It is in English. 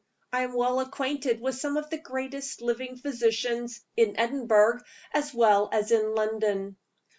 I am well acquainted with some of the greatest living physicians, in Edinburgh as well as in London.